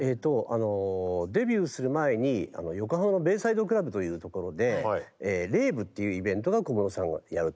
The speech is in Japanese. あのデビューする前に横浜のベイサイドクラブというところでレイブっていうイベントを小室さんがやると。